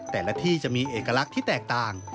แต่ละที่จะมีเอกลักษณ์ที่แตกต่าง